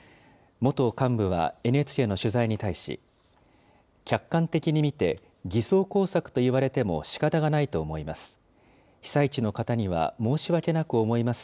元幹部はＮＨＫの取材に対し、客観的に見て偽装工作と言われてもしかたがないと思います。